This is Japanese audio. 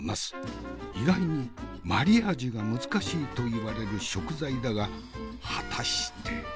意外にマリアージュが難しいといわれる食材だが果たして？